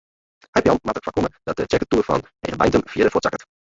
Heipeallen moatte foarkomme dat de tsjerketoer fan Hegebeintum fierder fuortsakket.